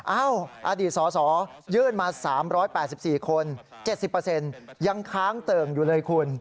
อดีตสสยื่นมา๓๘๔คน๗๐ยังค้างเติ่งอยู่เลยคุณ